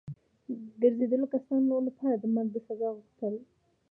ګرځېدلو کسانو لپاره د مرګ د سزا غوښتل.